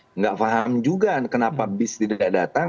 tidak paham juga kenapa bis tidak datang